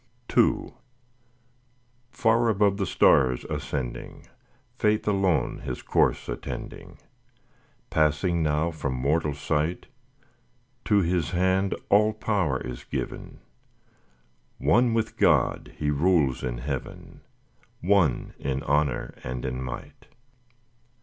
II Far above the stars ascending, Faith alone His course attending, Passing now from mortal sight; To His hand all power is given, One with God He rules in heaven, One in honour and in might.